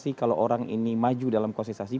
sih kalau orang ini maju dalam konsentrasi